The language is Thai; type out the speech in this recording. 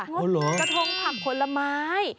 กระทงผักผลไม้